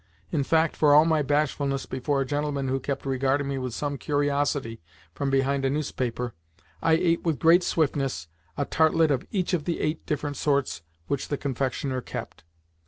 In fact, for all my bashfulness before a gentleman who kept regarding me with some curiosity from behind a newspaper, I ate with great swiftness a tartlet of each of the eight different sorts which the confectioner kept.